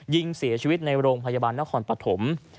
ยิงเสียชีวิตในโรงพยาบาลนครปฐม